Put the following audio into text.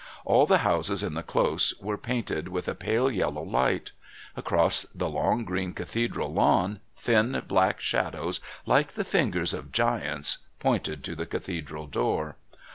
All the houses in the Close were painted with a pale yellow light; across the long green Cathedral lawn thin black shadows like the fingers of giants pointed to the Cathedral door.